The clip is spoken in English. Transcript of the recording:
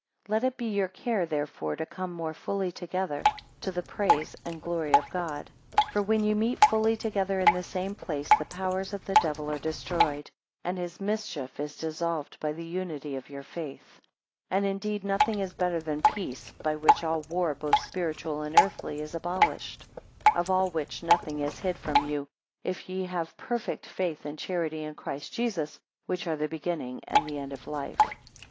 11 Let it be your care therefore to come more fully together, to the praise and glory of God; for when ye meet fully together in the same place, the powers of the devil are destroyed, and his mischief is dissolved by the unity of your faith. 12 And indeed, nothing is better than peace, by which all war both spiritual and earthly is abolished. 13 Of all which, nothing is hid from you, if ye have perfect faith and charity in Christ Jesus, which are the beginning and end of life.